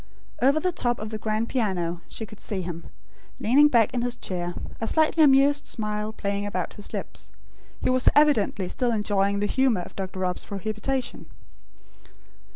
Over the top of the grand piano, she could see him, leaning back in his chair; a slightly amused smile playing about his lips. He was evidently still enjoying the humour of Dr. Rob's prohibition.